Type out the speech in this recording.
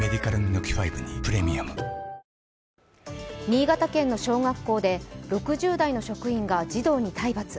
新潟県の小学校で６０代の職員が児童に体罰。